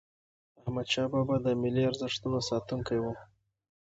احمدشاه بابا د ملي ارزښتونو ساتونکی و.